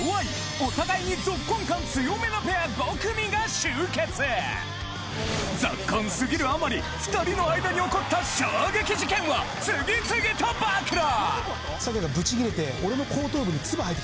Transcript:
お互いにぞっこん感強めのペア５組が集結ぞっこんすぎるあまり２人の間に起こった衝撃事件を次々と暴露ペッペッ！つって。